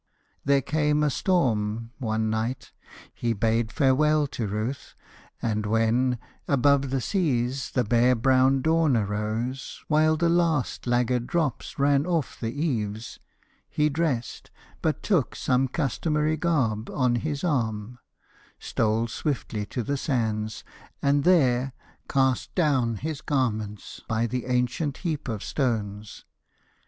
There came a storm One night. He bade farewell to Ruth; and when Above the seas the bare browed dawn arose, While the last laggard drops ran off the eaves, He dressed, but took some customary garb On his arm; stole swiftly to the sands; and there Cast clown his garments by the ancient heap Of stones.